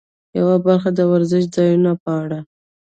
یوه برخه د وزرشي ځایونو په اړه.